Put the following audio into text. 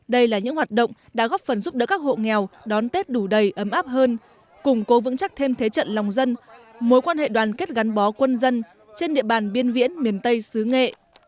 đây là những hoạt động đã góp phần giúp đỡ các hộ nghèo đón tết đủ đầy ấm áp hơn củng cố vững chắc thêm thế trận lòng dân mối quan hệ đoàn kết gắn bó quân dân trên địa bàn biên viễn miền tây xứ nghệ